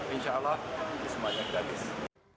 insya allah semuanya gratis